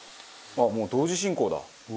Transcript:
もう同時進行だ。